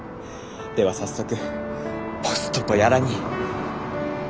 では早速ぽすととやらに。